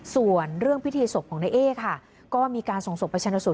ส่วนเรื่องพิธีศพของนายเอ๊ค่ะก็มีการส่งศพไปชนสูต